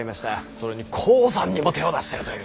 それに鉱山にも手を出してるという。